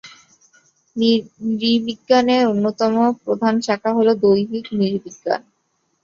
নৃবিজ্ঞানের অন্যতম প্রধান শাখা হল দৈহিক নৃবিজ্ঞান।